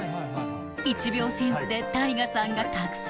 「１秒センス」でＴＡＩＧＡさんが覚醒？